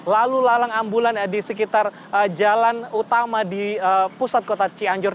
lalu lalang ambulan di sekitar jalan utama di pusat kota cianjur